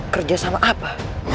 kerja sama apa